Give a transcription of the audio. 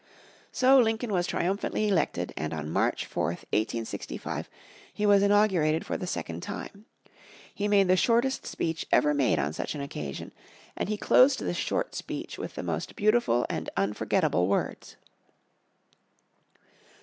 So Lincoln was triumphantly elected and on March 4th, 1865, he was inaugurated for the second time. He made the shortest speech ever made on such an occasion, and he closed this short speech with the most beautiful and unforgettable words.